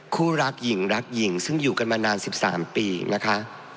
คู่รักหญิงรักหญิงซึ่งอยู่กันมานาน๑๓ปีนะคะ